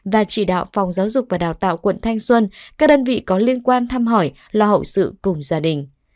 và chỉ đạo phòng giáo dục và đào tạo quận thanh xuân các đơn vị có liên quan thăm hỏi lo hậu sự cùng gia đình